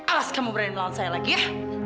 alas kamu berani melawan saya lagi ya